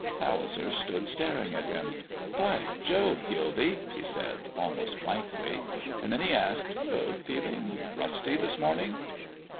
Palliser stood staring at him. "By Jove! Gildy," he said, almost blankly; and then he asked, "Feeling rusty this morning?"